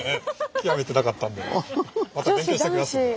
究めてなかったんでまた勉強してきますんで。